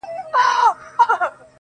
ځکه چي ماته يې زړگی ويلی.